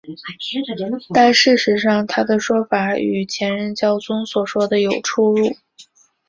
但事实上他的说法与前任教宗所说的有出入。